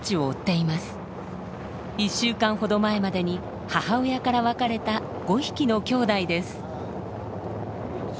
１週間ほど前までに母親から別れた５匹のきょうだいです。